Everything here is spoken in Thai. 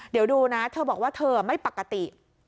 เดี๋ยวดูนะเธอบอกว่าเธอไม่ปกติ